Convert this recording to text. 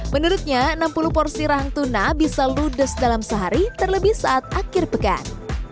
menurutnya enam puluh porsi rahang tuna bisa ludes dalam sehari terlebih saat akhir pekan